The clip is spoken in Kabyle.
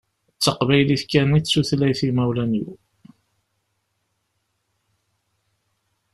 D taqbaylit kan i d tutlayt n imawlan-iw.